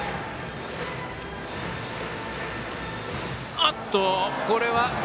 あっと、これは。